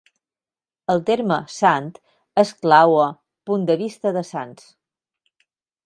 El terme "Sant" és clau a "punt de vista de Sants"